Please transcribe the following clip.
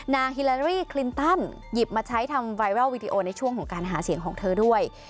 ฮิลารี่คลินตันหยิบมาใช้ทำไวรัลวิดีโอในช่วงของการหาเสียงของเธอด้วย